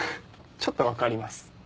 ちょっと分かります。